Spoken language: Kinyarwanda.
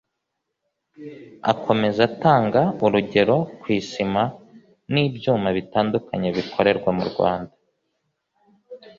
Akomeza atanga urugero ku isima n’ibyuma bitandukanye bikorerwa mu Rwanda